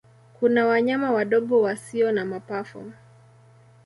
Kuna wanyama wadogo wasio na mapafu.